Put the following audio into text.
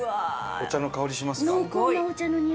お茶の香りしますか？